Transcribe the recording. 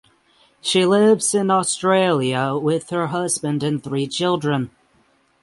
She lives in Australia with her husband and three children.